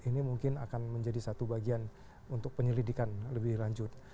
ini mungkin akan menjadi satu bagian untuk penyelidikan lebih lanjut